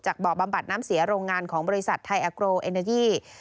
บ่อบำบัดน้ำเสียโรงงานของบริษัทไทยอาโกรเอเนยี